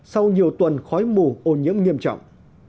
sau nhiều tuần khói mù ô nhiễm nghiêm trọng